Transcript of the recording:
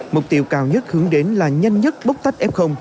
mục tiêu cao nhất hướng đến là nhanh nhất bốc tách f